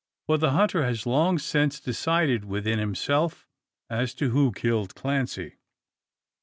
For the hunter has long since decided within himself, as to who killed Clancy.